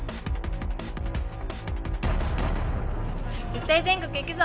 絶対全国行くぞ！